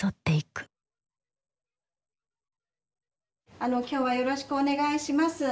あの今日はよろしくお願いします。